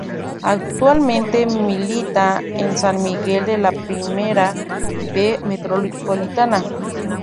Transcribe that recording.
Actualmente milita en San Miguel de la Primera B Metropolitana.